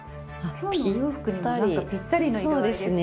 今日のお洋服にもなんかぴったりの色合いですね。